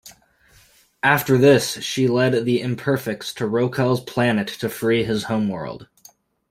After this she led the Imperfects to Roekel's Planet to free his homeworld.